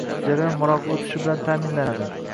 jarayon maroqli o‘tishi bilan ta’minlanadi.